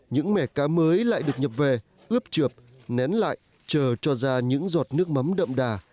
những mẻ cá mới lại được nhập về ướp trượp nén lại chờ cho ra những giọt nước mắm đậm đà